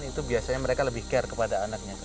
itu biasanya mereka lebih care kepada anaknya